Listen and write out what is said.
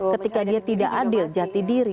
ketika dia tidak adil jati diri